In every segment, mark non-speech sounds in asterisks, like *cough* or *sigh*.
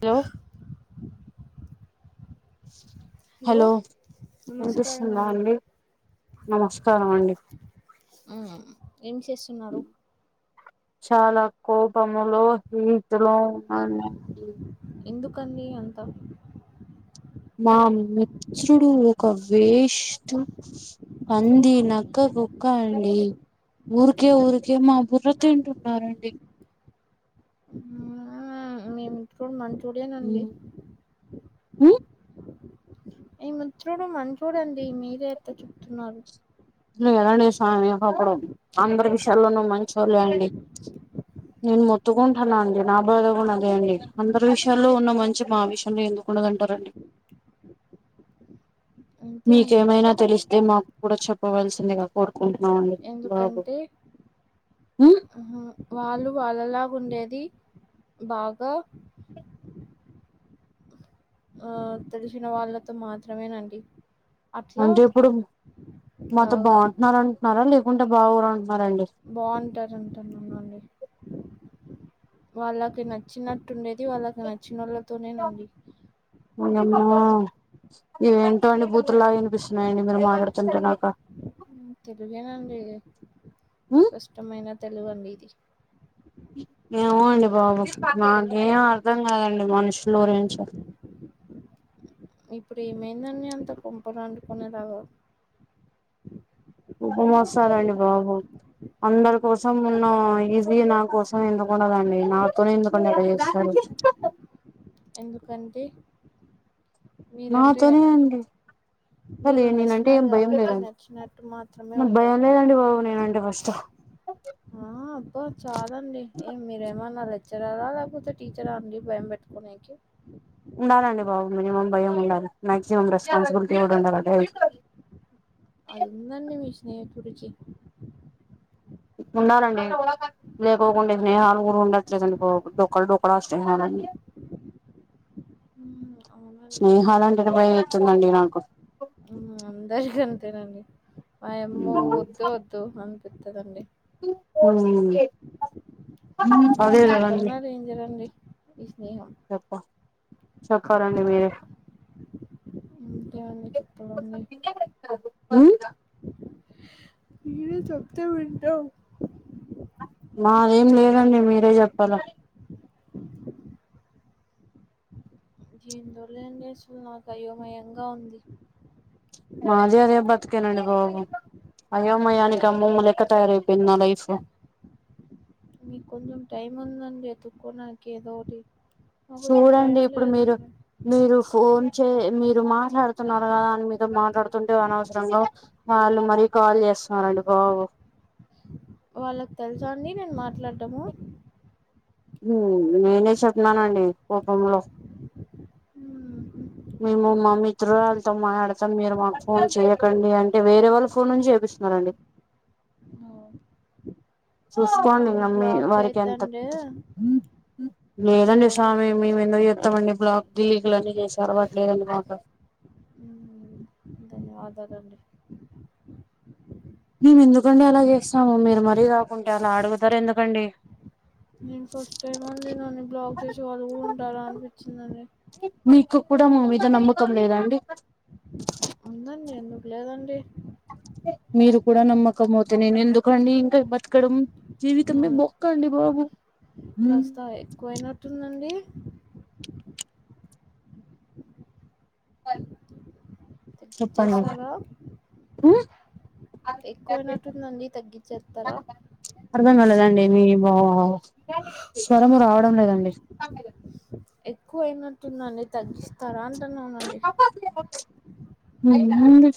Hello hello వినిపిస్తుందా అండి నమస్కారం అండి ఉ ఏం చేస్తున్నారు చాలా కోపములో హీతు లో ఉన్నానండి ఎందుకు అండి అంత మా మిత్రుడు ఒక్క వేస్ట్ పంది నక్క కుక్క అండి ఊరికే ఊరికే మా బుర్ర తింటున్నారండి సో మంచోడే నండి ఉ మీ మిత్రుడు మంచోడే అండి మీరే అట్లా చెప్తున్నారు ఊ కథ అండి స్వామి ఒకప్పుడు అందరి విషయాలలో ను మంచోళ్లే అండి నేను మొత్తుకుంటున్నా అండి నా బాధ కూడా అదే అండి అందరి విషయాల్లో ఉన్న మంచి మా విషయం లో ఎందుకు ఉండదంటారండి *inaudible* అండి మీకేమైనా తెలిస్తే మాకుడా చెప్పవలసిందిగా కోరుకున్ ఎందుకంటే ఉమ్ ఆ వాళ్ళు వాళ్ళలా ఉండేది బాగా ఆ తెలిషిన వాళ్ళతో మాత్రమేనండి అట్లా అంటే ఇప్పుడు మాతో బాగా బాగుంటన్నారంటున్నారా లేకుంటే బాగోర బావుంటరంటనండి వాళ్ళకి నచ్చినట్టుండేది వాళ్ళకి నచ్చినోళ్ళతోనేనండి వోయమ్మొ ఏంటో అండి బుతులాగ ఇనిపిస్తున్నాయండి మీరు మాట్లాడుతుంటే నాక ఉ తెలుగేనండి ఉమ్ స్పష్టమైన తెలుగండి ఇది ఏమో అండి బాబు నాక్ ఏం అర్థం కాదండి మనుషులు గురించి ఇప్పుడు ఏమైందని అంత కొంపలంటుకునే లాగా ఉపమాసాలండి బాబు అందరి కోసం మున్న ఈజీ నా కోసం ఎందుకు ఉండదండి నాతోనే ఎందుకండి అట్ట చేస్తడు. ఎందుకంటే మీరంటే నాతోనే అండి అసలు మీరు నేనంటే నచ్చినారు ఏం భయం కాబట్టి లేదండి నచ్చినట్టు మాత్రమే నాకు భయం ఉంటారండి లేదండి బాబు నేనంటే ఫస్ట్ ఆ అబ్బా చాలండి ఏ మీరేమన్న రె లెచరరా లేకపోతే టీచరా అండి భయం పెట్టుకోనికి ఉండాలండి బాబు మినిమం భయం ఉండాలి మాక్సిమం రెస్పన్సిబిలిటీ కూడా ఉండాలండి ఒయ్ అదుందండి మీ స్నేహితుడికి ఉండాలండి లేకోకుండే స్నేహాలు కూడా ఉండట్లేదండి డొక్కల్ డొక్కల స్నేహాలని *inaudible* అవునండి స్నేహాలంటేనే ఎతుందండీ నాకు మాయమ్మో వద్దు వద్దు అనిపితదండి అం ఊ అదేగదండి ఇ చెప్పా చెప్పారండి మీరే ఇంకేమండి చెప్పాలండి మీరు చెప్తే వింటాం నాదేం లేదండి మీరే చెప్పాల *inaudible* జీన్ దోలేన్ జేసుడు నాకు అయోమయంగా ఉంది మాది అదే బతుకు కేనండి బాబు అయోమయానికి అమ్మమ్మ లెక్క తయారైపోయింది నా లైఫ్ మీ కొంచం టైం ఉందండి ఎతుకోనాకి ఏదో ఒకటి నాకు అసలు చూడండి టైం ఇప్పుడు మీరు లేదండి మీరు ఫోన్ చే మీరు మాట్లాడుతున్నారు కదా అని మీతొ మాట్లాడుతుంటే అనవసరంగా వాళ్ళు మరీ కాల్ చే స్తారండీ బాబు వాళ్ళకు తెలుసా అండి నేను మాట్లాడటము ఊ నేనే చెప్న్ననండి కోపంలో ఊహు మేము మా మిత్రురాలుతో మాటడతాం మీరు మాకు ఫోన్ చెయ్యకండి అంటే వేరే వాళ్ళ ఫోన్ నుంచి చెపిస్ స్తరండి. అ చూస్కోండి నమ్మి వాడికి ఎంత చేయొద్దండి మీరు లేదండి ఎవరిని సామీ మేమెందో కొత్తమండి బ్లాక్ ఢిల్లీకులన్నీ చేశారు అవట్లేదన్నమాట జాగండి మేము ఎందుకండి అలా చేస్తాము మీరు మరీ కాకుంటే అలా అడుగుతారు ఎందుకండి నేను ఫస్ట్ టైమ్ అండి నన్ని బ్లాక్ చేసి వాళ్ళు కూడా ఉంటారా అనిపించిందండి మీకు కూడా మా మీద నమ్మకం లేదా అండి ఉందండి ఎందుకు లేదండి మీరు కూడా నమ్మక పోతే నేను ఎందుకండి ఇంకా బతకడం ఆ, జీవితమే బొక్క అండి బాబు కాస్త ఎక్కువయినట్టుందండి చెప్పను తగ్గించేస్తారా ఎక్కువయినట్టుందండి తగ్గించేస్తారా మేము స్వరము రావడం లేదండి ఎక్కువ అయినట్టుందండి తగ్గిస్తారా అంటన్నండి లేదండి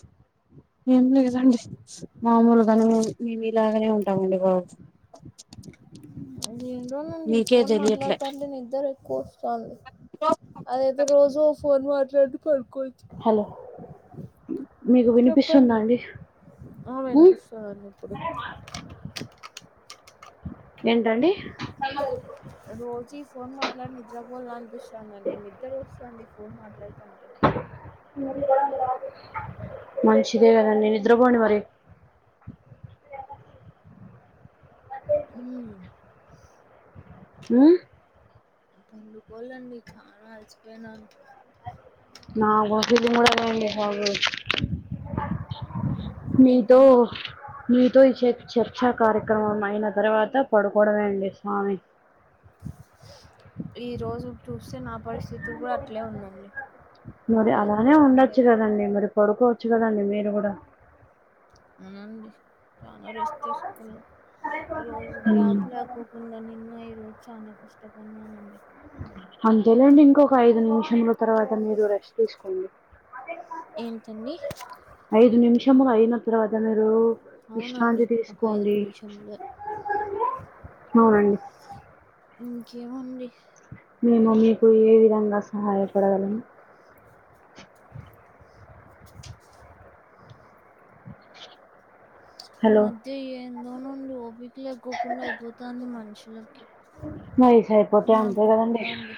ఏం లేదండి మామూలుగానే మేము ఇలాగనే ఉంటామండి బాబు *inaudible* ఏందోనండి ఈ మీకే ఫోన్ తెలియట్లే మాట్లాడుతాంటే నిద్దర ఎక్కువ చ అదేదో రోజు ఓ ఫోన్ మాట్లాడితె పడుకోవచ్చు ఇ చెప్పండి ఆ వినిపిస్తాది ఇప్పుడు ఏంటండి రోజు ఈ ఫోన్ మాట్లాడి నిద్రపోల్ల అనిపిస్తండండి నిద్ర వస్తాంది ఈ ఫోన్ మాట్లాడుతాంటే మంచిదేగదండి నిద్రపోండి మరి హ ఆ పండుకొళ్ళండి చానా అలసిపోయినను నా గుస కూడా ఉండండి బాబు మీతో ఏంటండి మీతో ఇ చర్చా కార్యక్రమం అయిన తర్వాత పడుకోవడమే అండి స్వామి ఈ రోజు చూస్తే నా పరిస్థితి కూడా అట్లే ఉందండి మా మరి వాళ్ళ కావడం లేదు మచ్చుగదండి మీరు కూడా అవునండి చానా రెస్ట్ తీసుకోవల్ల ఈ రోజు గ్యాబ్ లేకోకుండా నిన్న ఈ రోజు చానా కష్టపన్నండి అంతేలేండి ఇంకో ఐదు నిమిషముల తర్వాత మీరు రెస్ట్ తీసుకోండి ఏంటండి ఐదు నిమిషములు అయిన తర్వాత మీరు అవునండి విశ్రాంతి ఒక ఐదు తీసుకోండి నిమిషములే అవునండి ఇంకేమండి మీ మమ్మీకు ఏ విధంగా సహాయపడగలను ఈ హలో మధ్య ఏందోనండి ఓపిక లేకోకుండా అయిపోతాంది మనుషులకి వయసు అయిపోతే అంతే నాకు కదండి కూడా అండి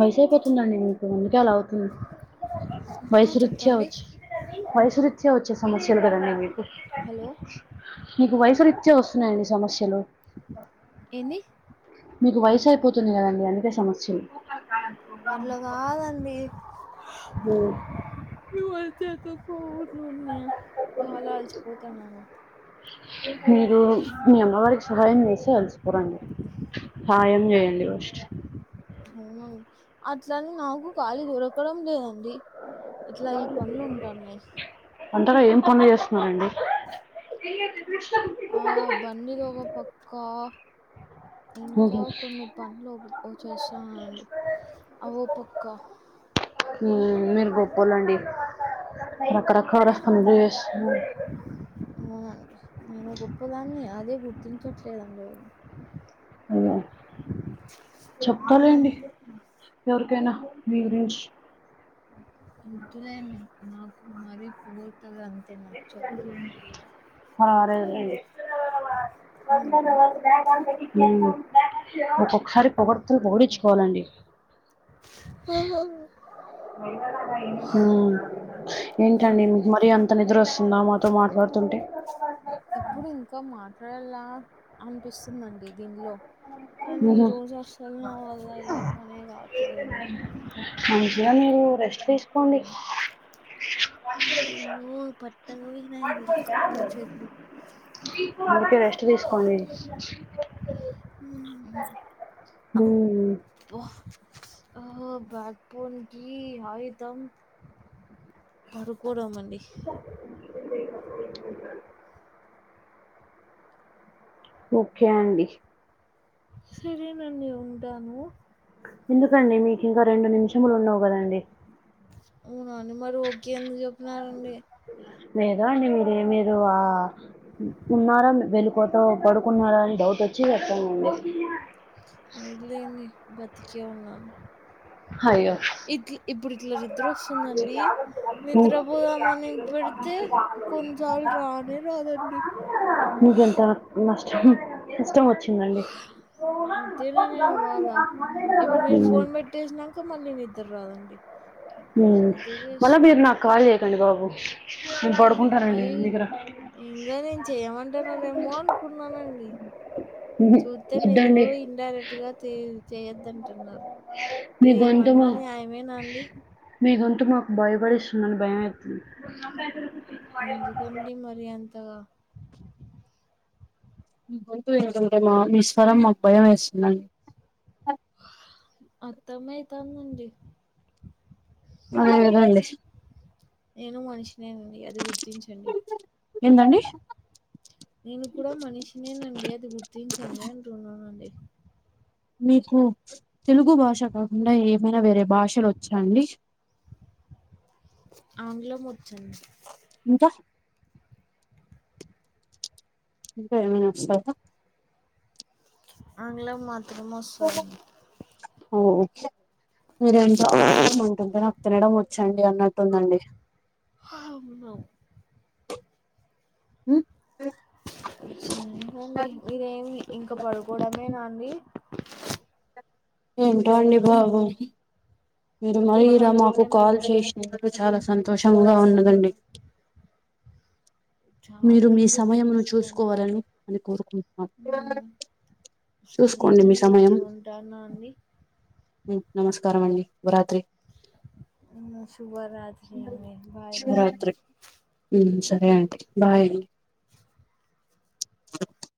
వయసు అయిపోతుందండి మీకు అందుకే అలా అవుతుంది ఆ వయసు వృత్య చెప్పండి వచ్చి వయసు వృత్య వచ్చే సమస్యలు కదండి అవి హలో మీకు వయసు వృత్య వస్తున్నాయండి సమస్యలు ఏంది మీకు వయసు అయిపోతుంది కదండి అందుకే సమస్యలు అట్లా కాదండి ఈ మధ్య ఎందుకో ఊరు ఊరునే చాలా అల్చిపోతున్నాను మీరు మీ అమ్మ వాళ్ళకి సహాయం చేస్తే అలిసి పోరండి సాయం చేయండి ఫస్ట్ అవును అట్లనీ నాకు ఖాళీ దొరకడం లేదండి ఇట్లా ఈ పనులు ఉంటాన్నాయి అంతగా ఏం పనులు చేస్తున్నారండి ఆ బండిది ఓగ పక్క ఇంకా మ్మ్, కొన్ని పనులు ఓ చేస్తాను అండి అవి ఓ పక్క ఊ మీరు గొప్పోలండి రకరకాల పనులు చేస్తాను. చేస్తున్న అవునండి నేను గొప్పదాన్నే అదే గుర్తించట్లేదండి ఎవరు అ ఆ, చెప్పాలండి ఎవరికైనా మీ గురించి వద్దులేండి నాకు మరీ పొగడ్తలు అంత అరేలే అంటను ఉ ఒక ప ఒకసారి పొగడతలు పొగిడిచ్చుకోవాలండి ఓహో ఊ ఏంటండి అవునండి మీకు మరీ అంత నిద్ర వస్తుందా మాతో మాట్లాడుతు అంటే ఎప్పుడు ఇంకా మాట్లాడల్ల అనిపిస్తుందండి దీనిలో కానీ ఈ మ్మ్, రోజు అసలు నా వల్ల అయ్యే పనే కావట్లేదండి ఇగా మీరు రెస్ట్ తీసుకోండి అయ్యయ్యో పట్టగా పోయినాయండి కాళ్ళు చేతులు *unintelligible* అందుకే రెస్ట్ తీసుకోండి ఉ అవ్ మ్మ్, బ్బా అహో బ్యాక్ బోన్ కి ఆయుధం పడుకోవడం అండి ఒకే అండి సరేనండి ఉంటాను ఎందుకండి మీకు ఇంకా రెండు నిమిషములు ఉన్నావు కదండి అవునా అండి మరి ఓకే ఎందుకు చెప్పినారు అండి లేదొ అండి మీరు మీరు ఆ ఉన్నారా వెళ్ళిపోత పడుకున్నారా అనీ డౌట్ వచ్చి వెతికాము అండి లేదు లేండి బతికే ఉన్నాను అయ్యో ఇట్ ఇప్పుడు ఇట్లా నిద్ర వస్తుందండి మీ నిద్రపోదామని పెడితే కొన్నిసార్లు రా అనే రాదండి *unintelligible* హుమ్ ఇష్టం వచ్చిందండి మత్తెనేనే నా బాధ ఇప్పుడు మీరు మ్మ్. ఫోన్ పెట్టేసినంక మళ్ళీ ని. ద్దర్ రాదండి మ్ ఎంతో మళ్ళా చేస్తాం మీరు అండి నాకు కాల్ చేయకండి బాబు మ్మ్ పడుకుంటారండి మిగర ఇంగ నేన్ చేయమంటన్నారేమో అనుకున్నానండి మ్మ్. చూతే మీరు వద్దండి ఇడైరెక్ట్ గా తీ చేయద్దంటన్నారు మీ గొంతు ఇదేమన్నా న్యాయమేనా అండి. టే మాక్ భయపడిస్తుందండి భయమైతుంది ఎందుకండి మరి అంతగా మీ గొంతు ఏంటంటే మా మీ స్వరం మాక్ భయం వేస్తుందండి. అత్తమైతాందండి ఆయిమా ఎవరొండి నేను మనిషినేనండి అది గుర్తించండి ఏంటండి నేను కూడా మనిషినేనండి అది గుర్తించండి అంటున్నానండి మీకు తెలుగు భాష కాకుండా ఏమైనా వేరే భాషలోచ్చాండి? ఆంగ్లం వచ్చండి ఇంకా ఇంకా ఏమైనా వస్సయా ఆంగ్లం మాత్రమే వస్సదం ఓ ఓ మీరేంటో *unintelligible* ఉంటుందనా తినడం వచ్చం ది అన్నట్టుందండి అవునా మ్మ్ సరేనండి మీరేమి ఇంకా పడుకోడమేనాండి? ఏంటో అండి బాబు మీరు మరీ ఇలా మాకు కాల్ చేసినరు చా. లా సంతోషంగా ఉన్నదండి మీరు చాలా మీ సమయను కృతజ్ఞతలండి. చూసుకోవాలనీ అని కోరుకుంటున్నాం. హ్మ్. చూసుకోండి మీ సరేనండి అయితే ఉంటానండి మ్ నమస్కారమండి వరాత్రి మ్మ్ శుభరాత్రి అమ్మే బాయ్ బాయ్మ్మే. మ్మ్ బాయ్